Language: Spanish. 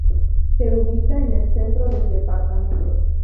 Se ubica en el centro del departamento.